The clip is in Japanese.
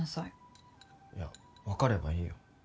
いや分かればいいよ。